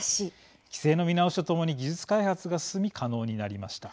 規制の見直しとともに技術開発が進み、可能になりました。